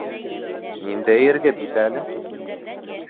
Ниндәйерге бит әле?